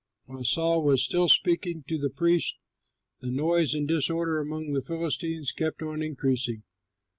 While Saul was still speaking to the priest, the noise and disorder among the Philistines kept on increasing.